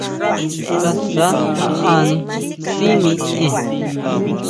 Sasa jaʼani sʼí mikʼien.